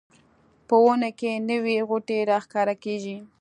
په ونو کې نوې غوټۍ راښکاره کیږي